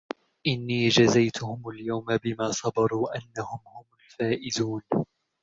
إِنِّي جَزَيْتُهُمُ الْيَوْمَ بِمَا صَبَرُوا أَنَّهُمْ هُمُ الْفَائِزُونَ